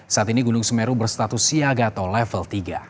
saat ini gunung semeru berstatus siaga atau level tiga